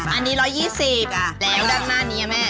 อันนี้๑๒๐แล้วด้านหน้านี้แม่